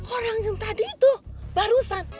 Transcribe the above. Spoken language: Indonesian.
orang yang tadi itu barusan